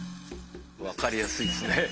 分かりやすいですね。